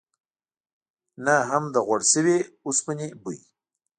نه هم د غوړ شوي اوسپنې بوی.